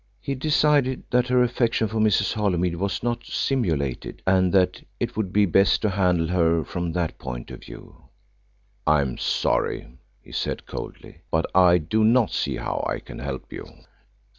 He decided that her affection for Mrs. Holymead was not simulated, and that it would be best to handle her from that point of view. "I am sorry," he said coldly, "but I do not see how I can help you."